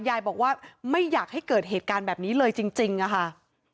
ยายบอกว่าไม่อยากให้เกิดเหตุการณ์แบบนี้เลยจริงอะค่ะ